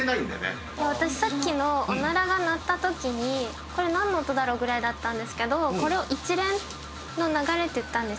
私さっきのオナラが鳴った時にこれなんの音だろう？ぐらいだったんですけどこれを一連の流れって言ったんですよ。